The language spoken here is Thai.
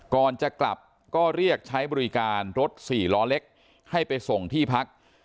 ก่อนจะกลับก็เรียกใช้บริการรถ๔ล้อเล็กให้ไปส่งที่พัก